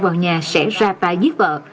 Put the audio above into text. vào nhà sẽ ra tài giết vợ